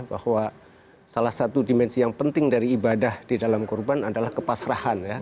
bahwa salah satu dimensi yang penting dari ibadah di dalam kurban adalah kepasrahan ya